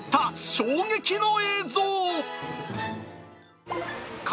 衝撃の映像。